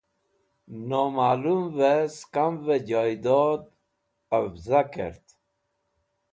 Nomalumvẽ sakmvẽ jaydod qevza kert.